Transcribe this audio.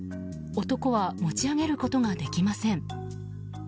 男は持ち上げることができません。